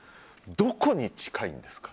どこに近いんですか？